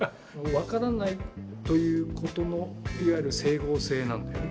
分からないということのいわゆる整合性なんだよね。